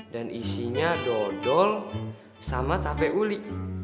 dan isinya dodol sama tape uli